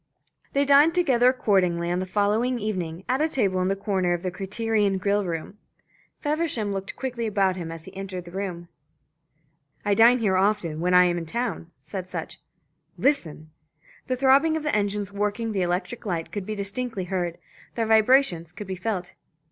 They dined together accordingly on the following evening, at a table in the corner of the Criterion grill room. Feversham looked quickly about him as he entered the room. "I dine here often when I am in town," said Sutch. "Listen!" The throbbing of the engines working the electric light could be distinctly heard, their vibrations could be felt.